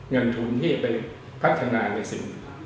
เงินทุนที่จะไปพัฒนาในสินค้า